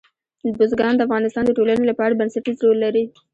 بزګان د افغانستان د ټولنې لپاره بنسټيز رول لري.